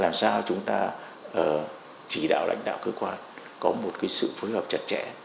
làm sao chúng ta chỉ đạo lãnh đạo cơ quan có một sự phối hợp chặt chẽ